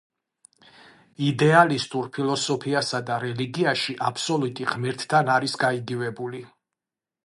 იდეალისტურ ფილოსოფიასა და რელიგიაში აბსოლუტი ღმერთთან არის გაიგივებული.